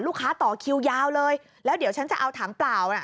ต่อคิวยาวเลยแล้วเดี๋ยวฉันจะเอาถังเปล่าน่ะ